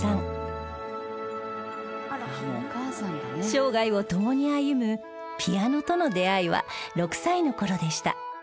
生涯を共に歩むピアノとの出会いは６歳の頃でした